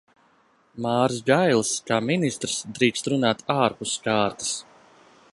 Māris Gailis, kā ministrs, drīkst runāt ārpus kārtas.